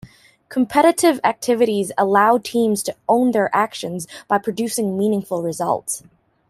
Competitive activities allow teams to own their actions by producing meaningful results.